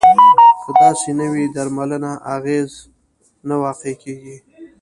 که داسې نه وي درملنه اغیزمنه نه واقع کیږي.